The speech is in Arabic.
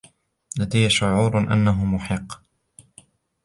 لدي شعور أنه محق.